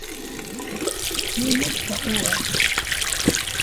¡Mɨnɨka uai!